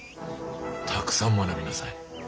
たくさん学びなさい。